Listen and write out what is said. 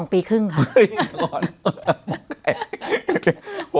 อ๋อ๒ปีครึ่งค่ะ